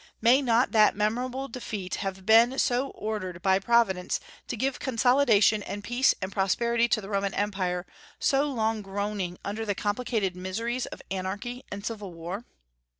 May not that memorable defeat have been ordered by Providence to give consolidation and peace and prosperity to the Roman Empire, so long groaning under the complicated miseries of anarchy and civil war?